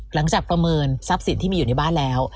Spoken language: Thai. ประเมินทรัพย์สินที่มีอยู่ในบ้านแล้ว